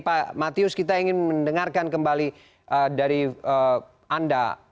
pak matius kita ingin mendengarkan kembali dari anda